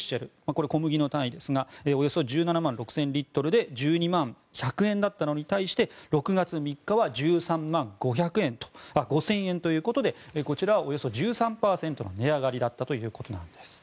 これは小麦の単位ですがおよそ１７万６０００リットルで１２万１００円だったのに対して６月３日は１３万５０００円ということでこちらはおよそ１３％の値上がりだったということです。